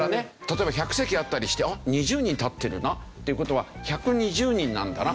例えば１００席あったりしてあっ２０人立ってるなという事は１２０人なんだな。